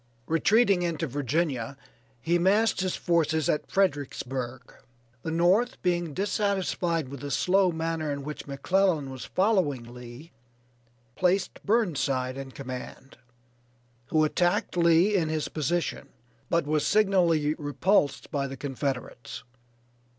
Retreating into Virginia, he massed his forces at Fredericksburg. The North being dissatisfied with the slow manner in which McClellan was following Lee, placed Burnside in command, who attacked Lee in his position, but was signally repulsed by the Confederates.